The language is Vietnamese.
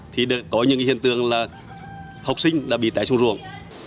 thì có những hiện tượng là học sinh đã bị cháy xuống ruộng